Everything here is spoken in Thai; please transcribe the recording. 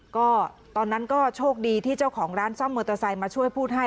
ก็ตอนนั้นก็โชคดีที่เจ้าของร้านซ่อมมอเตอร์ไซค์มาช่วยพูดให้